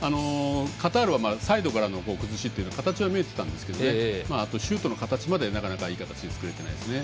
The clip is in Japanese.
カタールはサイドからの崩しっていうような形は見えてたんですけどシュートまでの形はなかなかいい形は作れてないですね。